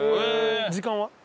時間は？